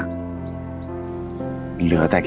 มันเหลือแต่คิดมัน